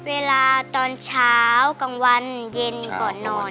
เวลาตอนเช้ากลางวันเย็นก่อนนอน